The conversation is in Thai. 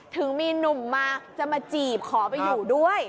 ถึงมีหนุ่มมาจะมาจีบขอไปอยู่ด้วย